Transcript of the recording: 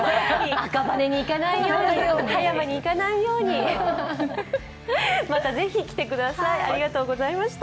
赤羽に行かないように、葉山に行かないようにまたぜひ来てください、ありがとうございました。